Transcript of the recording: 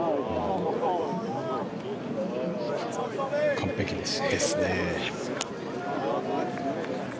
完璧ですね。